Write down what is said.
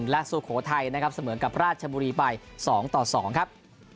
และสุโขทัยเสมอกับราชบุรีไป๒๒ครับ